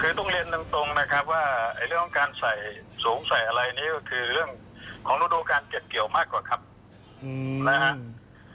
รองงานน้ำตาลที่จะเปิดหีบแค่ศูนย์เดียวเสร็จแล้ว